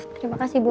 terima kasih bu